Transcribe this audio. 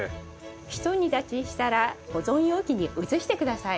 ひと煮立ちしたら保存容器に移してください。